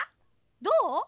どう？